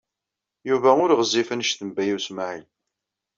Yuba ur ɣezzif anect n Baya U Smaɛil.